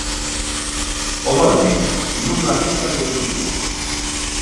O dolmen, nunha ruta de turismo.